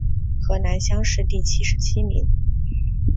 河南乡试第七十七名。